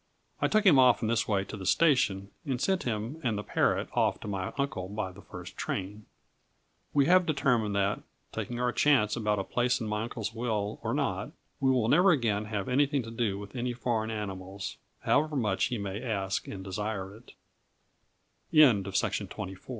I took him off in this way to the station, and sent him and the parrot off to my uncle by the first train. We have determined that, taking our chance about a place in my uncle's will or not, we will never again have anything to do with any foreign animals, however much he may ask and desire it. (By permission of MESSRS.